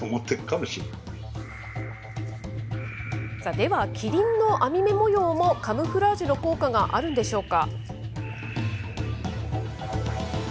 では、キリンの網目模様も、カムフラージュの効果があるんでしょうか。